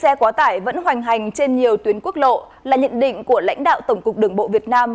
xe quá tải vẫn hoành hành trên nhiều tuyến quốc lộ là nhận định của lãnh đạo tổng cục đường bộ việt nam